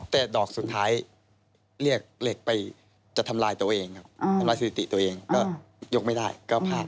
แต่ดอกสุดท้ายเรียกเหล็กไปจะทำลายตัวเองครับทำร้ายสถิติตัวเองก็ยกไม่ได้ก็พลาด